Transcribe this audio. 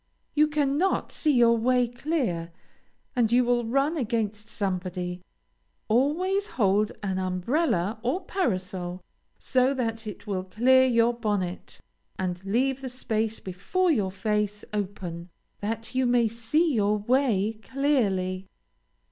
You cannot see your way clear, and you will run against somebody. Always hold an umbrella or parasol so that it will clear your bonnet, and leave the space before your face open, that you may see your way clearly.